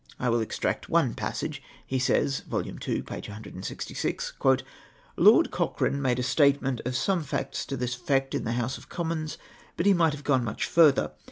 I will extract one passage. He says (vol. ii. p. 16G) :—'' Lord Cochrane made a statement of some facts to this effect in the House of Commons, but he might have gone much further.